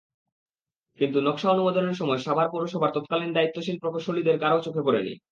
কিন্তু নকশা অনুমোদনের সময় সাভার পৌরসভার তৎকালীন দায়িত্বশীল প্রকৌশলীদের কারও চোখে পড়েনি।